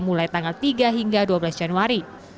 mulai tanggal tiga hingga dua belas januari